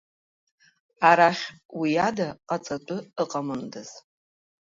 Арахь уиада ҟаҵатәы ыҟамындаз!